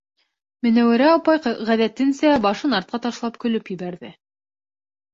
Менәүәрә апай, ғәҙәтенсә, башын артҡа ташлап көлөп ебәрҙе.